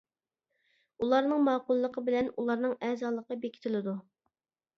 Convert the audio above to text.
ئۇلارنىڭ ماقۇللۇقى بىلەن، ئۇلارنىڭ ئەزالىقى بېكىتىلىدۇ.